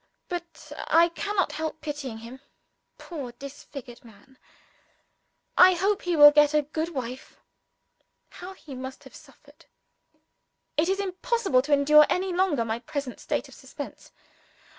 But I cannot help pitying him. Poor disfigured man, I hope he will get a good wife! How he must have suffered! It is impossible to endure, any longer, my present state of suspense.